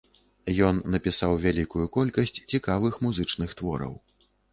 Ён напісаў вялікую колькасць цікавых музычных твораў.